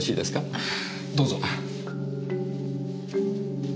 どうぞ。